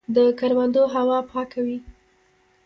د کروندو هوا پاکه وي.